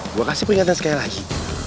gue kasih peringatan sekali lagi